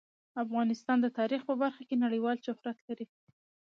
افغانستان د تاریخ په برخه کې نړیوال شهرت لري.